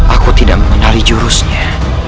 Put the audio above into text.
aku tidak mengenali jurusnya